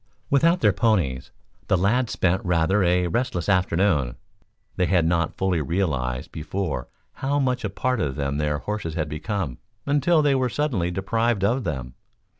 Without their ponies, the lads spent rather a restless afternoon. They had not fully realized before how much a part of them their horses had become until they were suddenly deprived of them.